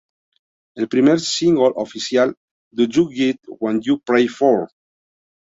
El primer single oficial, "Do You Get What You Pray For?